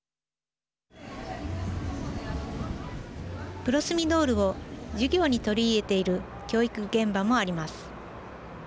プロスミドールを授業に取り入れている教育現場もあります。